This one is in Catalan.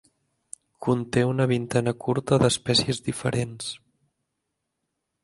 Conté una vintena curta d'espècies diferents.